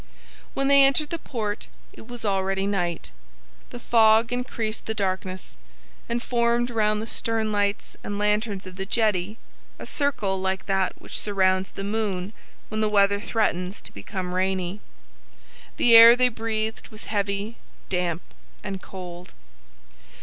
When they entered the port, it was already night. The fog increased the darkness, and formed round the sternlights and lanterns of the jetty a circle like that which surrounds the moon when the weather threatens to become rainy. The air they breathed was heavy, damp, and cold.